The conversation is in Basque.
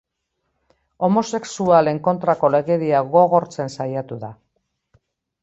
Homosexualen kontrako legedia gogortzen saiatu da.